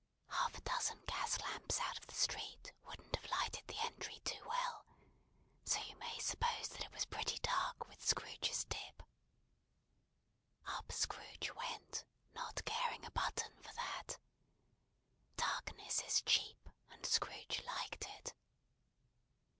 Half a dozen gas lamps out of the street wouldn't have lighted the entry too well, so you may suppose that it was pretty dark with Scrooge's dip. Up Scrooge went, not caring a button for that. Darkness is cheap, and Scrooge liked it.